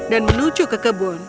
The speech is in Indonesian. dan menuju ke tempat yang lain